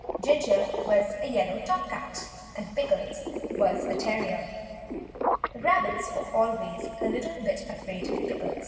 Ginger was a yellow tom cat, and Pickles was a terrier. The rabbits were always a little bit afraid of Pickles.